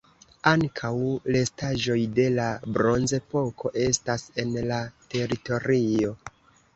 Ankaŭ restaĵoj de la Bronzepoko estas en la teritorio.